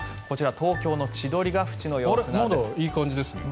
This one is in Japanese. こちら東京の千鳥ヶ淵の様子です。